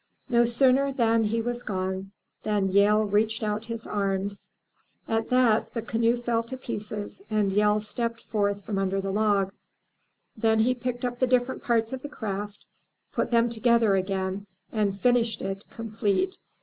'* No sooner was he gone, than Yehl stretched out his arms. At that, the canoe fell to pieces and Yehl stepped forth from under the log. Then he picked up the different parts of the craft, put them together again, and finished it, complete.